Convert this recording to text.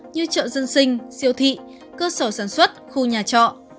như chợ dân sinh siêu thị cơ sở sản xuất khu nhà trọ